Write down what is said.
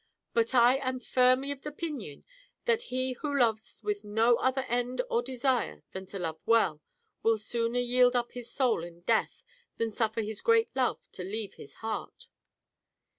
But I am firmly of opinion that he who loves with no other end or desire than to love well, will sooner yield up his soul in death than suffer his great love to leave his heart."